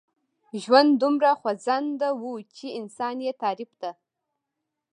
ژوند دومره خوځنده و چې انسان يې تعريف ته.